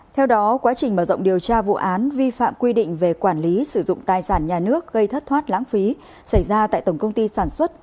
theo đó quá trình mở rộng điều tra vụ án vi phạm quy định về quản lý sử dụng tài sản nhà nước gây thất thoát lãng phí xảy ra tại tổng công ty sản xuất